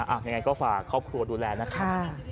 ยังไงก็ฝากครอบครัวดูแลนะคะ